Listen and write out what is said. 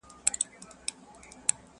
ستونی د شپېلۍ به نغمه نه لري!